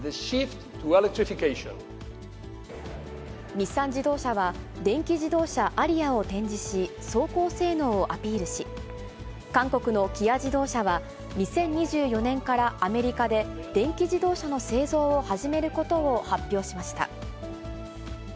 日産自動車は、電気自動車アリアを展示し、走行性能をアピールし、韓国の起亜自動車は、２０２４年からアメリカで電気自動車の製造を始めることを発表しました。